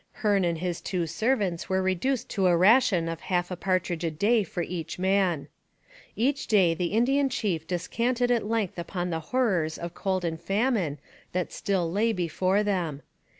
Hearne and his two servants were reduced to a ration of half a partridge a day for each man. Each day the Indian chief descanted at length upon the horrors of cold and famine that still lay before them.